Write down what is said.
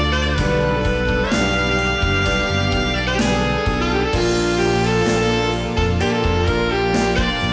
ถูกเขาทำร้ายเพราะใจเธอแบกรับมันเอง